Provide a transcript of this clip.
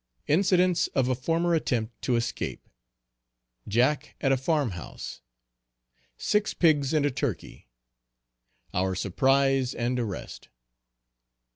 Incidents of a former attempt to escape Jack at a farm house. Six pigs and a turkey. Our surprise and arrest.